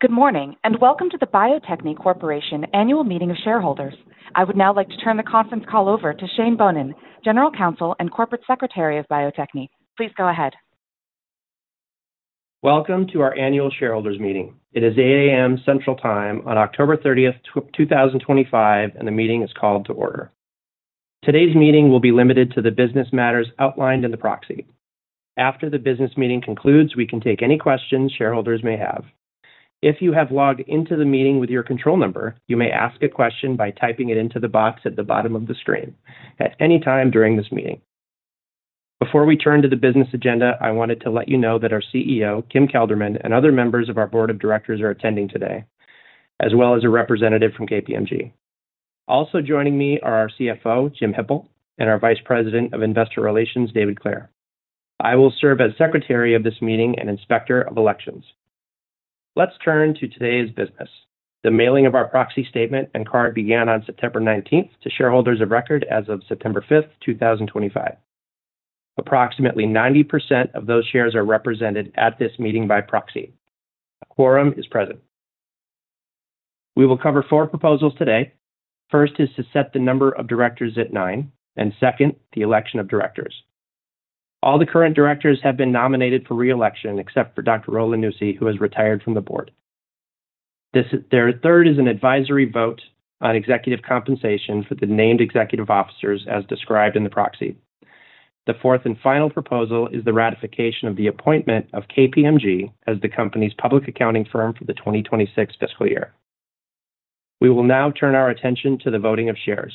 Good morning and welcome to the Bio-Techne Corporation Annual Meeting of Shareholders. I would now like to turn the conference call over to Shane Bohnen, General Counsel and Corporate Secretary of Bio-Techne. Please go ahead. Welcome to our annual shareholders meeting. It is 8:00 A.M. Central Time on October 30th, 2025, and the meeting is called to order. Today's meeting will be limited to the business matters outlined in the proxy as after the business meeting concludes, we can take any questions shareholders may have. If you have logged into the meeting with your control number, you may ask a question by typing it into the box at the bottom of the screen at any time during this meeting. Before we turn to the business agenda, I wanted to let you know that our CEO, Kim Kelderman, and other members of our Board of Directors are attending today, as well as a representative from KPMG. Also joining me are our CFO, Jim Hippel, and our Vice President of Investor Relations, David Claire. I will serve as Secretary of this meeting and Inspector of Elections. Let's turn to today's business. The mailing of our proxy statement and card began on September 19th to shareholders of record. As of September 5th, 2025, approximately 90% of those shares are represented at this meeting by proxy. A quorum is present. We will cover four proposals today. First is to set the number of directors at nine, and second, the election of directors. All the current directors have been nominated for re-election except for Dr. Rolandussi, who has retired from the board. The third is an advisory vote on executive compensation for the named executive officers as described in the proxy. The fourth and final proposal is the ratification of the appointment of KPMG as the company's public accounting firm for the 2026 fiscal year. We will now turn our attention to the voting of shares.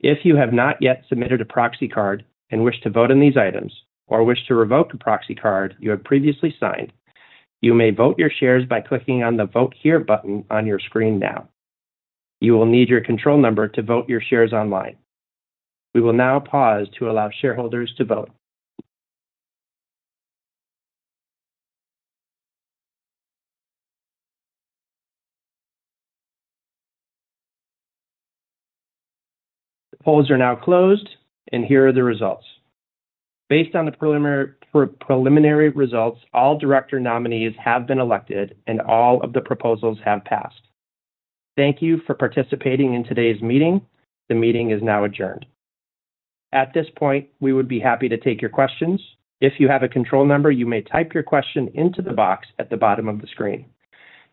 If you have not yet submitted a proxy card and wish to vote on these items, or wish to revoke a proxy card you had previously signed, you may vote your shares by clicking on the Vote Here button on your screen. Now you will need your control number to vote your shares online. We will now pause to allow shareholders to vote. The polls are now closed and here are the results. Based on the preliminary results, all director nominees have been elected and all of the proposals have passed. Thank you for participating in today's meeting. The meeting is now adjourned. At this point, we would be happy to take your questions. If you have a control number, you may type your question into the box at the bottom of the screen.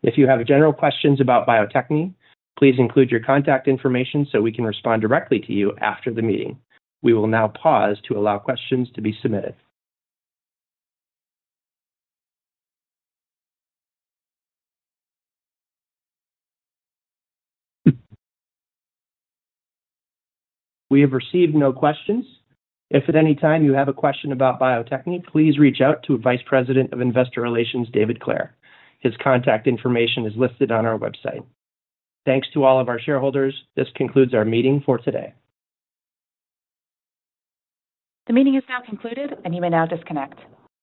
If you have general questions about Bio-Techne, please include your contact information so we can respond directly to you after the meeting. We will now pause to allow questions to be submitted. We have received no questions. If at any time you have a question about Bio-Techne, please reach out to Vice President of Investor Relations, David Claire. His contact information is listed on our website. Thanks to all of our shareholders. This concludes our meeting for today. The meeting is now concluded, and you may now disconnect.